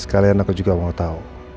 sekalian aku juga mau tahu